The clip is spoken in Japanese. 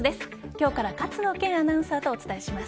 今日から勝野健アナウンサーとお伝えします。